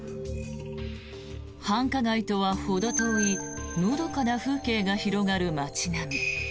繁華街とはほど遠いのどかな風景が広がる町並み。